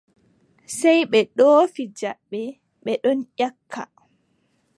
Sey ɓe ɗoofi jabbe, ɓe ɗon nyakka.